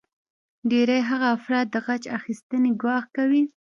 ډیری هغه افراد د غچ اخیستنې ګواښ کوي